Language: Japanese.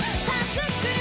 スクれ！